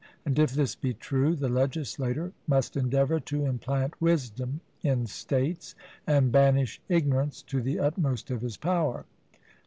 And if this be true, the legislator must endeavour to implant wisdom in states, and banish ignorance to the utmost of his power.